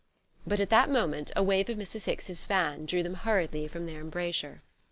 But at that moment a wave of Mrs. Hicks's fan drew them hurriedly from their embrasure.